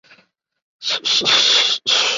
同母弟蜀王李愔。